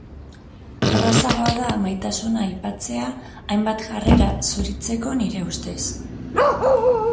Errazagoa da maitasuna aipatzea hainbat jarrera zuritzeko, nire ustez.